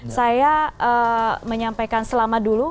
saya menyampaikan selama dulu